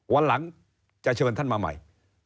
วันหลังจะเชิญท่านมาใหม่